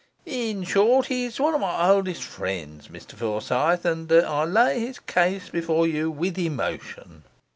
in short, he's one of my oldest friends, Mr Forsyth, and I lay his case before you with emotion.